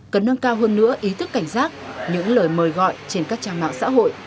cần nâng cao hơn nữa ý thức cảnh giác những lời mời gọi trên các trang mạng xã hội